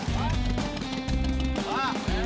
jalan jalan jalan